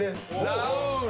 ラウール。